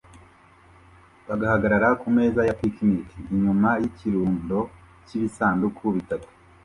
bagahagarara kumeza ya picnic inyuma yikirundo cyibisanduku bitatu